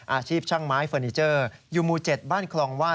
อาชีพช่างไม้เฟอร์นิเจอร์อยู่หมู่๗บ้านคลองไห้